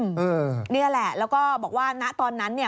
นี่แหละแล้วก็บอกว่าณตอนนั้นเนี่ย